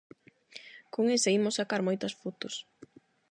Con ese imos sacar moitas fotos!